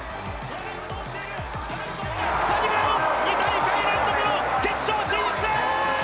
サニブラウン、２大会連続の決勝進出。